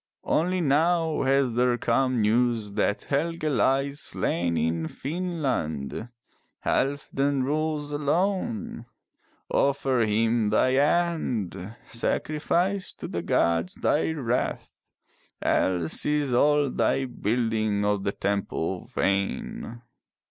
Only now has there come news that Helge lies slain in Finnland. Halfdan rules alone. Offer him thine hand. Sacrifice to the gods thy wrath. Else is all thy building of the temple vain."